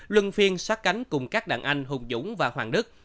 luân phiên xoát cánh cùng các đàn anh hùng dũng và hoàng đức